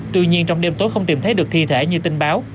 tuy nhiên trong đêm tối không tìm thấy được thi thể như tin báo